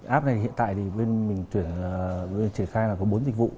app này thì hiện tại thì bên mình chuyển khai là có bốn dịch vụ